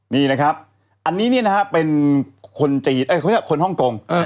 นี่นะครับอันนี้เป็นคนฮ่องกง